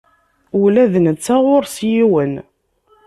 Ula d netta ɣur-s yiwen.